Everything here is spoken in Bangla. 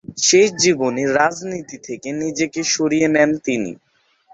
শেষ জীবনে রাজনীতি থেকে নিজেকে সরিয়ে নেন তিনি।